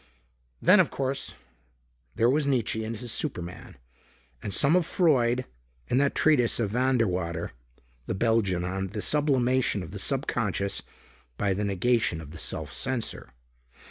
Then, of course, there was Nietsche and his superman. And some of Freud. And that treatise of Van de Water, the Belgian, on the sublimation of the sub conscious by the negation of the self censor.